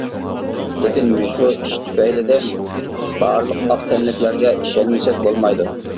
لېكىن مۇشۇ ئىش تۈپەيلىدىن بارلىق ئاق تەنلىكلەرگە ئىشەنمىسەك بولمايدۇ.